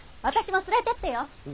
私も連れてってよ。